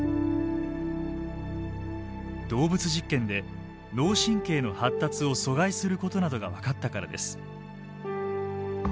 動物実験で脳神経の発達を阻害することなどが分かったからです。